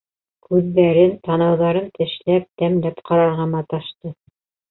Күҙҙәрен, танауҙарын тешләп, тәмләп ҡарарға маташты.